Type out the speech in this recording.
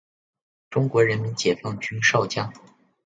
中国人民解放军少将。